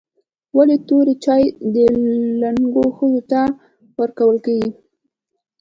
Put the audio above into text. ولي توري چای و لنګو ښځو ته ورکول کیږي؟